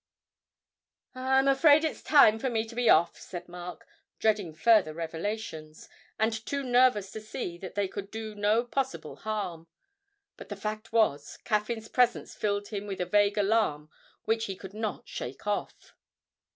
'I'm afraid it's time for me to be off,' said Mark, dreading further revelations, and too nervous to see that they could do him no possible harm. But the fact was, Caffyn's presence filled him with a vague alarm which he could not shake off.